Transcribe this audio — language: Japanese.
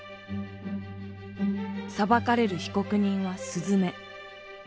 裁かれる被告人はすずめ。